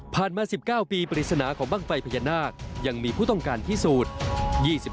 มา๑๙ปีปริศนาของบ้างไฟพญานาคยังมีผู้ต้องการพิสูจน์